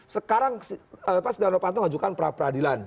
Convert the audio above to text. sekarang pas darul bantung ajukan peradilan